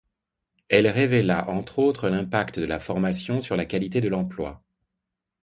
Elle révéla entre autres l’impact de la formation sur la qualité de l’emploi.